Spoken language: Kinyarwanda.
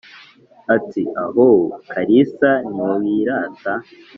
Ati: "Aho Kalisa ntiwirata?